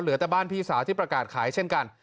แต่บ้านพี่สาวที่ประกาศขายเช่นกัน